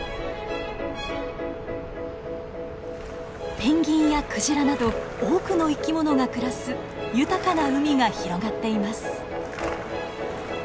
ペンギンやクジラなど多くの生き物が暮らす豊かな海が広がっています。